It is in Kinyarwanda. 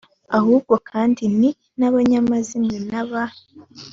ahubwo kandi ni n abanyamazimwe na ba